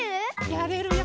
やれるよ。